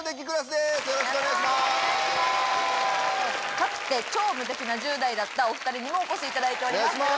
かつて超無敵な１０代だったお２人にもお越しいただいてます